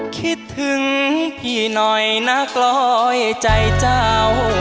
คิดถึงพี่หน่อยนักร้อยใจเจ้า